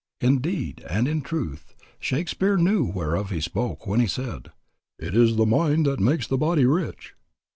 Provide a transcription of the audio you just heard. Indeed and in truth, Shakspeare knew whereof he spoke when he said, "It is the mind that makes the body rich."